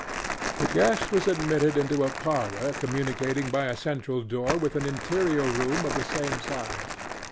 The guest was admitted into a parlor communicating by a central door with an interior room of the same size.